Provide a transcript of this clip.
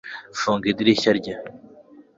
Funga idirishya rye